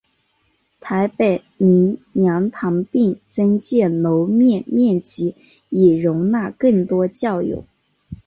台北灵粮堂并增建楼面面积以容纳更多教友。